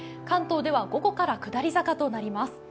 関東では午後から下り坂となります。